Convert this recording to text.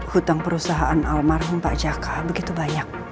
hutang perusahaan almarhum pak jaka begitu banyak